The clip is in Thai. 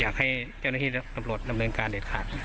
อยากให้เจ้าหน้าที่ตำรวจดำเนินการเด็ดขาด